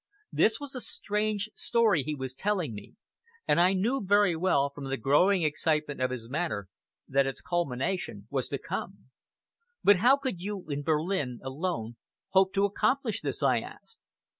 This was a strange story which he was telling me, and I knew very well, from the growing excitement of his manner, that its culmination was to come. "But how could you in Berlin, alone, hope to accomplish this?" I asked.